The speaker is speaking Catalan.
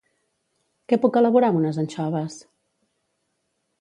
Què puc elaborar amb unes anxoves?